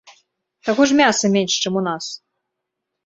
Таго ж мяса менш, чым у нас.